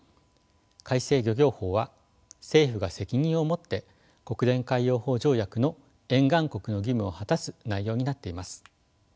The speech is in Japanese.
改正漁業法は政府が責任を持って国連海洋法条約の沿岸国の義務を果たす内容になっています。